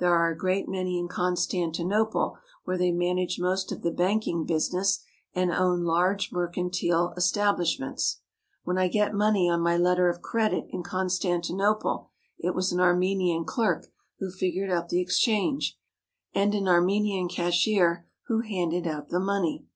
There are a great many in Constantinople where they manage most of the banking business and own large mercantile establishments. When I got money on my letter of credit in Constanti nople it was an Armenian clerk who figured up the exchange and an Armenian cashier who handed out the money.